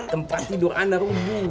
tempat tidur ana rumuh